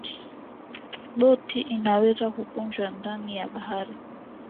boti inaweza kukunjwa ndani ya bahari